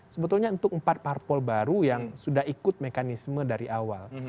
sebetulnya untuk empat parpol baru yang sudah ikut mekanisme dari awal